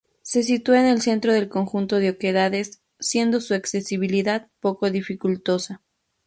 Se sitúa en el centro del conjunto de oquedades, siendo su accesibilidad poco dificultosa.